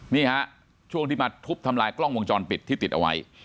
นี่ฮะช่วงที่มาทุบทำลายกล้องวงจรปิดที่ติดเอาไว้